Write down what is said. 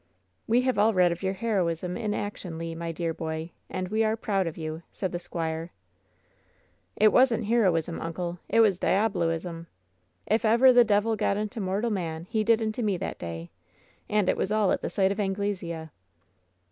"We have all read of your heroism in action, Le, my dear boy, and we are proud of you," said the squire. "It wasn't heroism, uncle! It was diabolism! If ever the devil got into mortal man he did into me that day! And it was all at the sight of Anglesea."